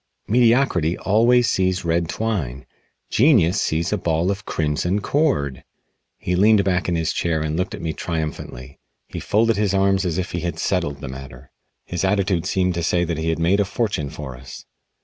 Mediocrity always sees red twine; genius sees a ball of Crimson Cord!" He leaned back in his chair and looked at me triumphantly. He folded his arms as if he had settled the matter. His attitude seemed to say that he had made a fortune for us.